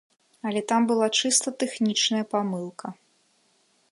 Але там была чыста тэхнічная памылка.